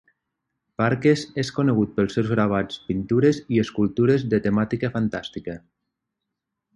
Parkes és conegut pels seus gravats, pintures i escultures de temàtica fantàstica.